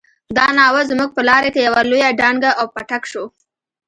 دا ناوه زموږ په لاره کې يوه لويه ډانګه او پټک شو.